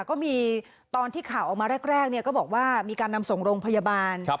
ก็มีตอนที่ข่าวออกมาแรกก็บอกว่ามีการนำส่งโรงพยาบาล